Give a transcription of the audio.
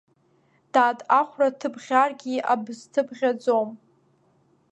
Дад, ахәра аҭыԥ ӷьаргьы абызҭыԥ ӷьаӡом!